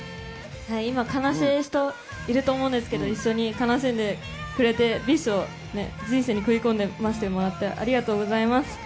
今、悲しい人いると思うんですけど、一緒に悲しんでくれて、ＢｉＳＨを人生に食い込ませてもらってありがとうございます。